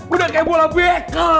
udah kayak bola bekel